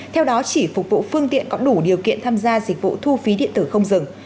theo đó chỉ phục vụ phương tiện có đủ điều kiện tham gia dịch vụ thu phí điện tử không dừng